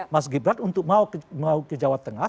mas gibran untuk mau ke jawa tengah